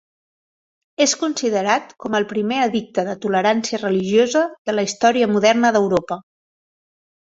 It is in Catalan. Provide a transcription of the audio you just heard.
És considerat com el primer edicte de tolerància religiosa de la història moderna d'Europa.